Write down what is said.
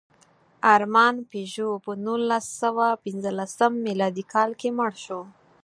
ارمان پيژو په نولسسوهپینځلسم مېلادي کال کې مړ شو.